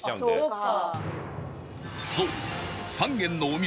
そう